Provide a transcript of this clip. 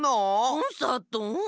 コンサート？